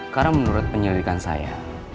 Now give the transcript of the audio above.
karena menurut penyelidikan saya